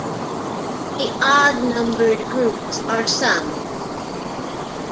The odd numbered groups are summed.